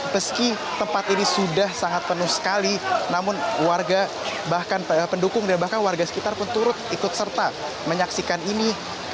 meski tempat ini sudah sangat penuh sekali namun warga bahkan pendukung dan bahkan warga sekitar pun turut ikut serta menyaksikan ini